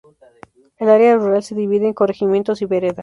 El área rural se divide en corregimientos y veredas.